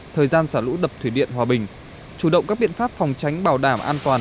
thời gian xả lũ đập thủy điện hòa bình chủ động các biện pháp phòng tránh bảo đảm an toàn